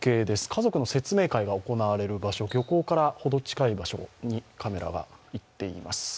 家族の説明会が行われる場所漁港からほど近い場所にカメラが行っています。